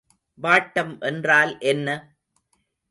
வாட்டம் என்றால் என்ன?